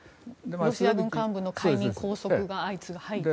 ロシア軍幹部の解任拘束が相次ぐ。